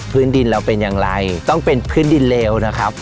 พื้นดินเราเป็นอย่างไรต้องเป็นพื้นดินเลวนะครับ